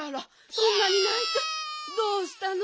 そんなにないてどうしたの？